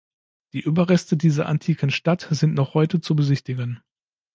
Die Überreste dieser antiken Stadt sind noch heute zu besichtigen.